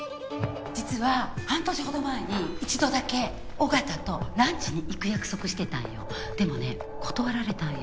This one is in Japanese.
実は半年ほど前に一度だけ緒方とランチに行く約束してたんよでもね断られたんよ